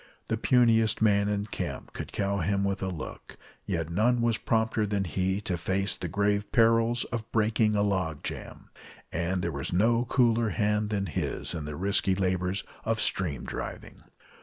The puniest man in camp could cow him with a look, yet none was prompter than he to face the grave perils of breaking a log jam, and there was no cooler hand than his in the risky labors of stream driving.